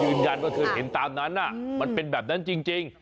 ยืนยันว่าเธอเห็นตามนั้นมันเป็นแบบนั้นจริง